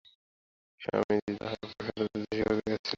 স্বামীজী তাঁহার প্রাসাদে আতিথ্য স্বীকার করিয়াছিলেন।